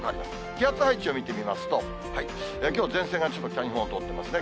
気圧配置を見てみますと、きょう前線がちょっと北日本を通ってますね。